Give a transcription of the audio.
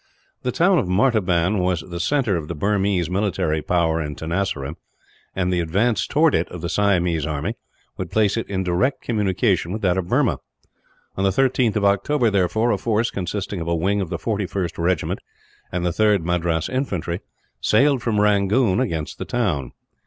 The town of Martaban was the centre of the Burmese military power in Tenasserim, and the advance towards it of the Siamese army would place it in direct communication with that of Burma. On the 13th of October, therefore, a force, consisting of a wing of the 41st Regiment and the 3rd Madras Infantry, sailed from Rangoon against the town.